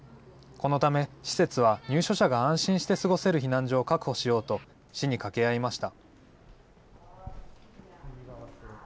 このため、施設は入所者が安心して過ごせる避難所を確保しようと、市に掛け合いました。